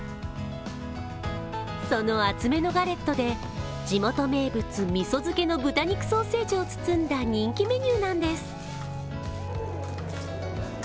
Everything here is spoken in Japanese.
その厚めのガレットで地元名物・みそ漬けの豚肉ソーセージを包んだ人気メニューなんです。